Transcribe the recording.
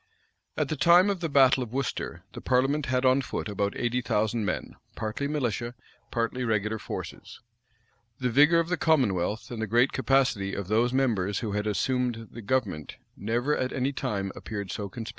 At the time of the battle of Worcester the parliament had on foot about eighty thousand men, partly militia, partly regular forces. The vigor of the commonwealth, and the great capacity of those members who had assumed the government, never at any time appeared so conspicuous.